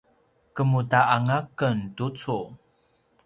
kemuda anga ken tucu?